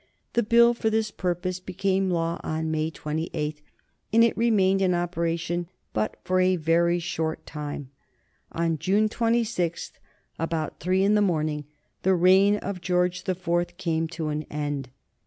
The Bill for this purpose became law on May 28, and it remained in operation but for a very short time. On June 26, about three in the morning, the reign of George the Fourth came to an end.